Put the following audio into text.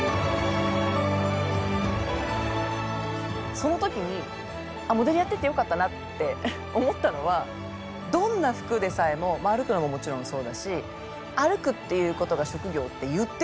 その時にあっモデルやっててよかったなって思ったのはどんな服でさえもまあ歩くのももちろんそうだし歩くっていうことが職業って言ってるのであれば自分が。